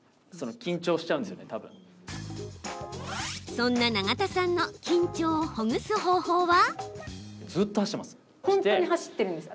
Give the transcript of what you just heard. そんな永田さんの緊張をほぐす方法は？